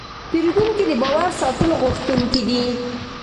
پیرودونکی د باور ساتلو غوښتونکی دی.